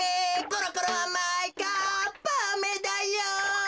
ころころあまいかっぱアメだよ。